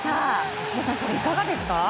内田さん、いかがですか？